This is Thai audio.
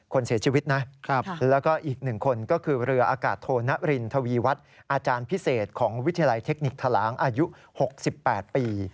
คนเสียชีวิตนะแล้วก็อีก๑คนก็คือเรืออากาศโทนรินทวีวัฒน์อาจารย์พิเศษของวิทยาลัยเทคนิคทะลางอายุ๖๘ปี